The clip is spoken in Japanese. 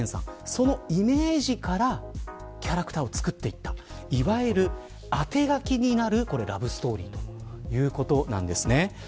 そのイメージからキャラクターを作っていったいわゆる、あて書きになるラブストーリー。ということなんです。